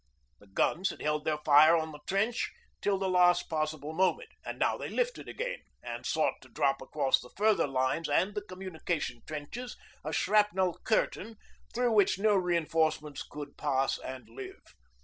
The guns had held their fire on the trench till the last possible moment, and now they lifted again and sought to drop across the further lines and the communication trenches a shrapnel 'curtain' through which no reinforcements could pass and live.